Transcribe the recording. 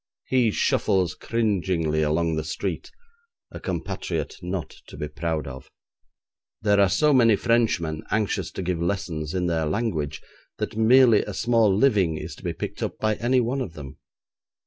He shuffles cringingly along the street, a compatriot not to be proud of. There are so many Frenchmen anxious to give lessons in their language, that merely a small living is to be picked up by any one of them.